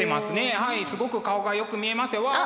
はいすごく顔がよく見えますよ。